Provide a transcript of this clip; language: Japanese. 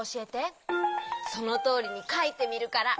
そのとおりにかいてみるから。